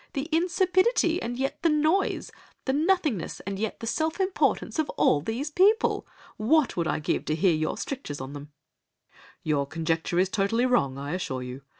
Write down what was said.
The insipidity and yet the noise—the nothingness and yet the self importance of all these people! What would I give to hear your strictures on them!' "'Your conjecture is totally wrong, I assure you.